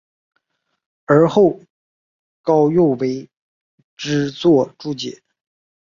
而后高诱为之作注解。